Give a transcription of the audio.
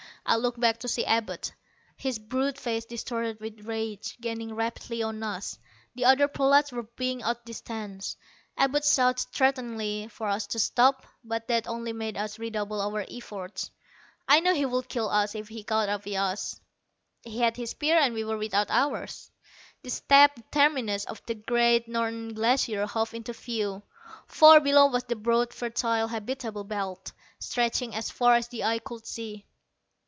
I looked back to see Abud, his brute face distorted with rage, gaining rapidly on us. The other prolats were being outdistanced. Abud shouted threateningly for us to stop, but that only made us re double our efforts. I knew he would kill us if he caught up with us. He had his spear and we were without ours. The steep terminus of the great Northern Glacier hove into view. Far below was the broad fertile habitable belt, stretching as far as the eye could see.